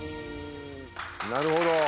なるほど。